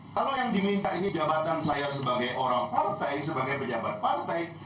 kalau yang diminta ini jabatan saya sebagai orang partai sebagai pejabat partai